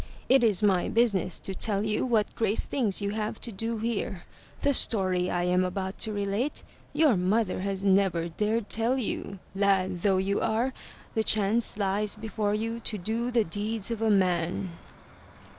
It is my business to tell you what great things you have to do here. The story I am about to relate, your mother has never dared tell you. Lad though you are, the chance lies before you to do the deeds of a man."